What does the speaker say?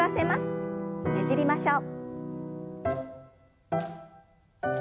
ねじりましょう。